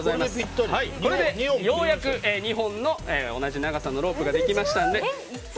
これでようやく２本の同じ長さのロープができましたので。